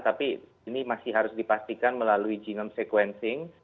tapi ini masih harus dipastikan melalui genome sequencing